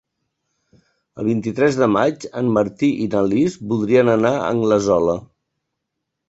El vint-i-tres de maig en Martí i na Lis voldrien anar a Anglesola.